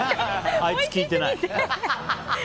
あいつ聞いてない。